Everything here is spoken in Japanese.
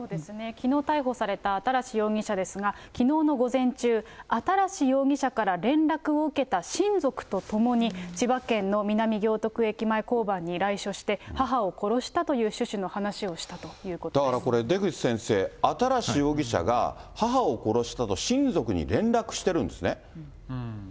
きのう逮捕された新容疑者ですが、きのうの午前中、新容疑者から連絡を受けた親族と共に、千葉県の南行徳駅前交番に来署して、母を殺したという趣旨の話をだからこれ、出口先生、新容疑者が、母を殺したと親族に連絡してるんですね。